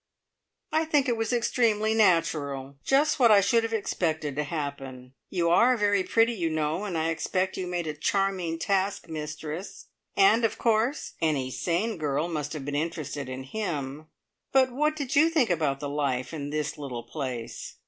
"I think it was extremely natural. Just what I should have expected to happen. You are very pretty, you know, and I expect you made a charming task mistress. And, of course, any sane girl must have been interested in him. But what did you think about the life in this little place?"